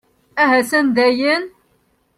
Ahasan dayen!